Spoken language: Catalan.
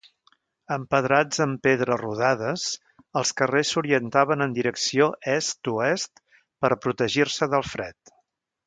Empedrats amb pedres rodades, els carrers s'orientaven en direcció est-oest per a protegir-se del fred.